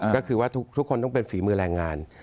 ก็คือว่าทุกคนต้องเป็นฝีมือแรงงาน